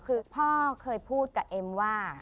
คือพ่อเคยพูดกับเอ็มว่า